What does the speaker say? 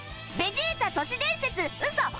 ベジータ都市伝説ウソ？